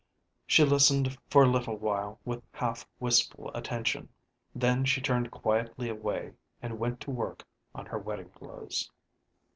She listened for a little while with half wistful attention then she turned quietly away and went to work on her wedding clothes.